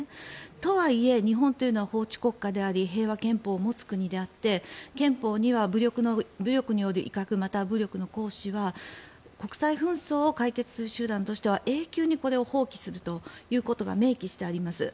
とはいえ日本というのは法治国家であり平和憲法を持つ国であって憲法には武力による威嚇または武力の行使は国際紛争を解決する手段としては永久にこれを放棄するということが明記してあります。